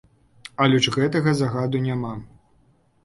Але ж гэтага загаду няма!